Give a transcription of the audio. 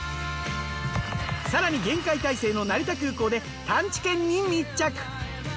更に厳戒態勢の成田空港で探知犬に密着。